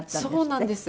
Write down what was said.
そうなんです。